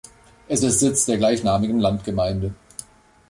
Es ist Sitz der gleichnamigen Landgemeinde.